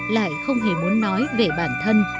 lại không hề muốn nói về bản thân